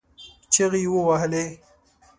چغې يې ووهلې.